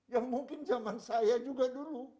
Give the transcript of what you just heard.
yang mungkin zaman saya juga dulu